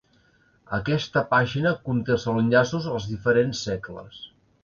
Aquesta pàgina conté els enllaços als diferents segles.